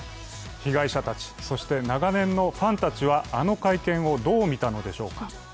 被害者たち、そして長年のファンたちはあの会見をどう見たのでしょうか。